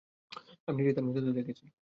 আমি নিজেই তার মৃত দেহ দেখেছি।